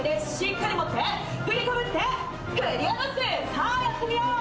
さあやってみよう！